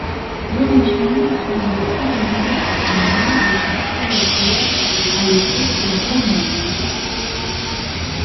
L'origine semble provenir du nom de son fondateur à l'époque romaine.